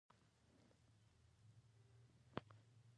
ټولې ناکامه ارواګانې چې بهرني غشي یې وار کړي راغونډې شوې.